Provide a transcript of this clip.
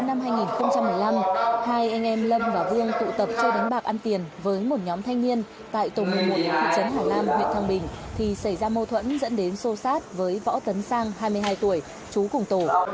ngày một mươi chín tháng ba năm hai nghìn một mươi năm hai anh em lâm và vương tụ tập chơi đánh bạc ăn tiền với một nhóm thanh niên tại tổng hội một thị trấn hà lam huyện thăng bình thì xảy ra mâu thuẫn dẫn đến sô sát với võ tấn sang hai mươi hai tuổi chú cùng tổ